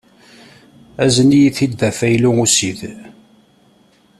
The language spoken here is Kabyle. Azen-iyi-t-id d afaylu ussid.